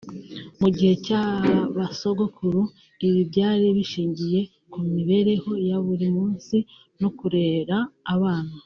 mu gihe cya basogokuru ibi byari bishingiye ku mibereho ya buri munsi no kurera abana